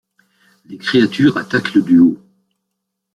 Les créatures attaquent le duo.